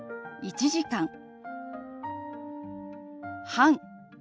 「半」。